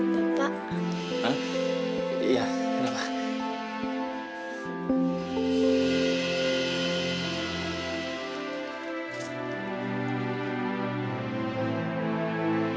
lalu aku mau pergi